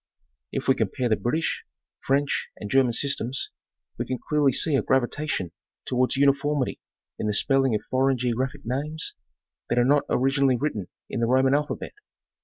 If we compare the British, French and German systems, we can clearly see a gravitation towards uniformity in the spelling of foreign geographic names that are not originally written in the Roman alphabet.